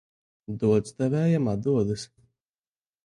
Dots devējām atdodas.